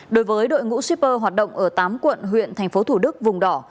đối với đội ngũ shipper hoạt động ở tám quận huyện tp thủ đức vùng đỏ